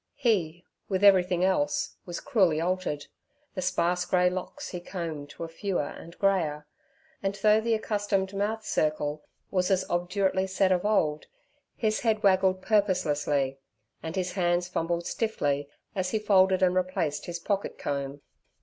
He, with everything else, was cruelly altered. The sparse grey locks he combed were fewer and greyer: and though the accustomed mouth circle was as obdurately set as of old, his head waggled purposelessly: and his hands fumbled stiffly as he folded and replaced his pocket comb.